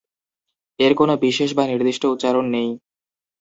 এর কোনো বিশেষ বা নির্দিষ্ট উচ্চারণ নেই।